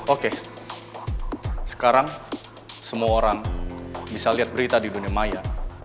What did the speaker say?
oke sekarang semua orang bisa lihat berita di dunia maya